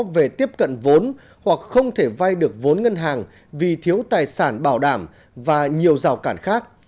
về tiếp cận vốn hoặc không thể vay được vốn ngân hàng vì thiếu tài sản bảo đảm và nhiều rào cản khác